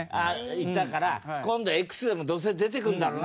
いたから今度はＸでもどうせ出てくるんだろうなと。